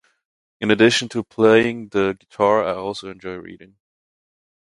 In addition to playing the guitar, I also enjoy reading.